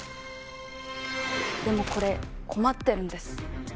でもこれ困ってるんです。